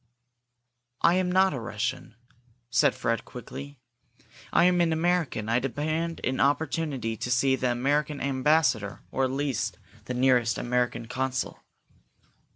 "I am not a Russian," said Fred, quickly. "I am an American. I demand an opportunity to see the American ambassador, or at least the nearest American consul."